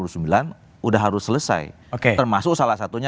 sudah harus selesai termasuk salah satunya